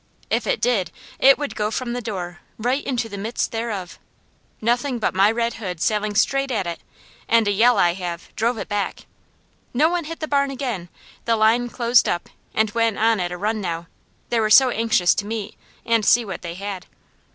If it did, it would go from the door, right into the midst thereof. Nothing but my red hood sailing straight at it, and a yell I have, drove it back. No one hit the barn again, the line closed up, and went on at a run now, they were so anxious to meet and see what they had.